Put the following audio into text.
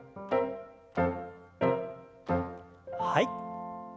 はい。